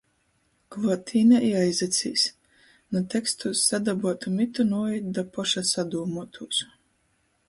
Kluotīnē, i aizacīs. Nu tekstūs sadabuotu mitu nūīt da poša sadūmuotūs.